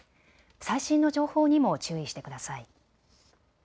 最新の情報にも注意してください。